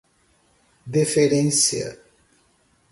deferência